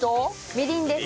みりんです。